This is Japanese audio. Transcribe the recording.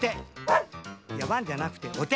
いやワンじゃなくておて！